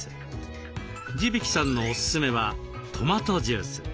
地曳さんのオススメはトマトジュース。